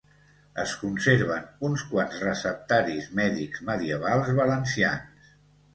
Es conserven uns quants receptaris mèdics medievals valencians.